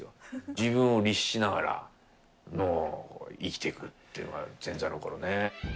自分を律しながら、生きていくっていうのは、前座のころね。